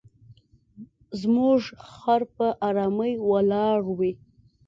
زموږ خر په آرامۍ ولاړ وي.